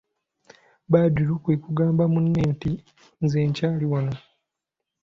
Badru kwe kugamba munne nti:"nze nkyali wanno"